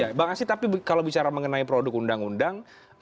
ya bang asi tapi kalau bicara mengenai produk undang undang